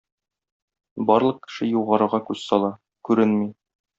Барлык кеше югарыга күз сала - күренми.